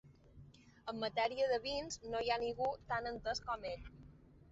En matèria de vins, no hi ha ningú tan entès com ell.